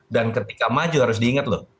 dan ketika maju harus diingat loh